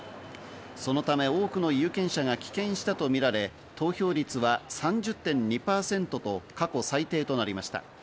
そのため、多くの有権者が棄権したとみられ、投票率は３０．２％と過去最低となりました。